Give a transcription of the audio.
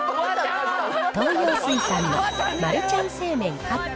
東洋水産のマルちゃん正麺カップ